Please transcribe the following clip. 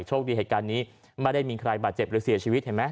โชคดีเหตุการณ์นี้ไม่ได้มีใครบาดเจ็บหรือเสียชีวิตเห็นไหม